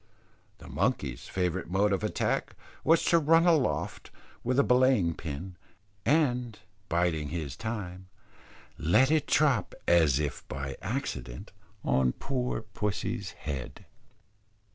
The monkey's favourite mode of attack, was to run aloft with a belaying pin, and biding his time, let it drop as if by accident on poor pussy's head.